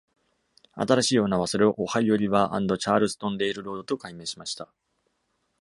新しいオーナーはそれを Ohio River and Charleston Railroad と改名しました。